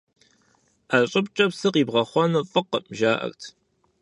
Ӏэ щӀыбкӀэ псы къибгъэхъуэну фӀыкъым, жаӀэрт.